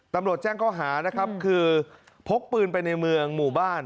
ตำรวจแจ้งข้อหานะครับคือพกปืนไปในเมืองหมู่บ้าน